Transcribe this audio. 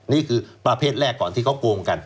นี่คือประเภทแรกก่อนที่เขาโกงกัน